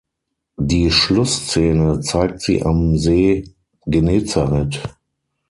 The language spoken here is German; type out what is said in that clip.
Die Schlussszene zeigt sie am See Genezareth.